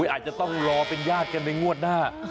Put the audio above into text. อาจจะต้องรอเป็นญาติกันในงวดหน้า